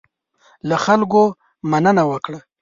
له خلکو مننه وکړه.